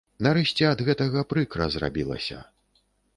Нарэшце ад гэтага прыкра зрабілася.